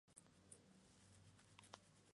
Actualmente reside en Los Ángeles.